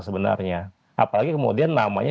sebenarnya apalagi kemudian namanya